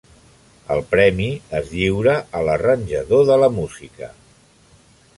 El premi es lliura a l'arranjador de la música.